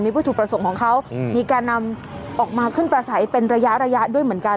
มีเหตุผลส่งของเขามีการนำออกมาขึ้นประไส้เป็นระยะระยะด้วยเหมือนกัน